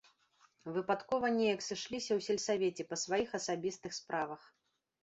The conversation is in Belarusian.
Выпадкова неяк сышліся ў сельсавеце па сваіх асабістых справах.